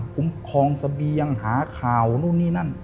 คุ้มครองเสบียงหาข่าวนู่นนี่นั่น